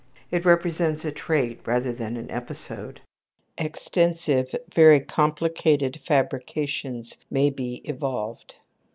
It represents a trait rather than an episode. Extensive, very complicated fabrications may be evolved.